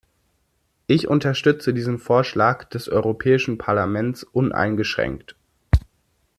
Ich unterstütze diesen Vorschlag des Europäischen Parlaments uneingeschränkt.